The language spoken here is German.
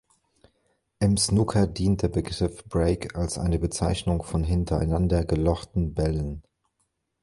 Im Snooker dient der Begriff „Break“ als eine Bezeichnung von hintereinander gelochten Bällen.